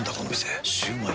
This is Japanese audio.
「ザ★シュウマイ」